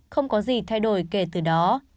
không có gì thay đổi kể từ đó